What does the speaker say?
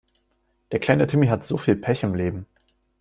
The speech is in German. Der kleine Timmy hat so viel Pech im Leben!